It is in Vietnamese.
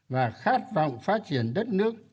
và khát vọng phát triển đất nước